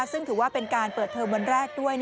ซึ่งถือว่าเป็นการเปิดเทอมวันแรกด้วย